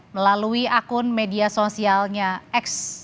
melalui akun media sosialnya x